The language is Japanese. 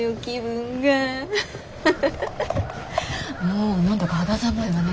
あ何だか肌寒いわね